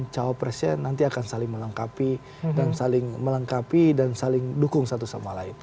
cawapresnya nanti akan saling melengkapi dan saling melengkapi dan saling dukung satu sama lain